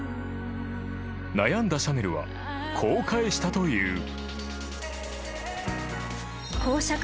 ［悩んだシャネルはこう返したという］